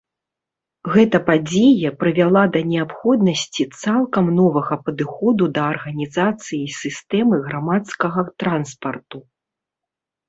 Гэта падзея прывяла да неабходнасці цалкам новага падыходу да арганізацыі сістэмы грамадскага транспарту.